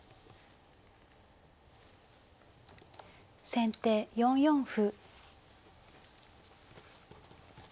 先手４四歩。